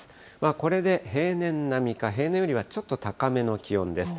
これで平年並みか、平年よりはちょっと高めの気温です。